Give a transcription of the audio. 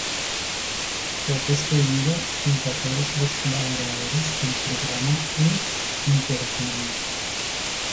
Fue despedido junto a todos los colaboradores del programa en Intereconomía.